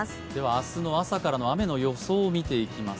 明日の朝からの雨の予想を見ていきます。